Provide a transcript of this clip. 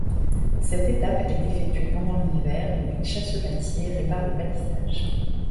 Cette étape est effectuée pendant l'hiver ou les chasselatiers réparent le palissage.